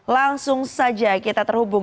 langsung saja kita terhubung